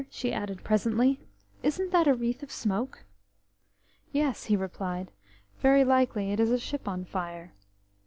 she added presently, "isn't that a wreath of smoke?" "Yes," he replied; "very likely it is a ship on fire."